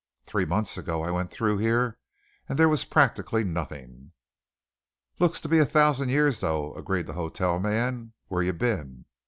"Three months ago I went through here, and there was practically nothing." "Looks to be a thousand years, though," agreed the hotel man. "Where you been?"